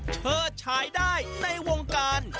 เชิดฉายได้ในวงการ